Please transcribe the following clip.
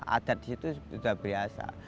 adat disitu sudah biasa